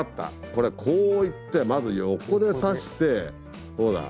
これこう行ってまず横で刺してほら。